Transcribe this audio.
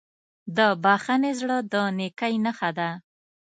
د بښنې زړه د نیکۍ نښه ده.